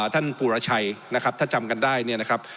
ท่านปุรชัยนะครับถ้าจำกันได้เนี่ยนะครับ